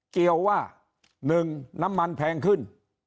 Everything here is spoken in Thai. เกี่ยวว่า๑น้ำมันแพงขึ้น